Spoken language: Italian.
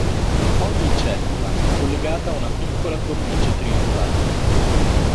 Ogni cellula è collegata a una piccola cornice triangolare.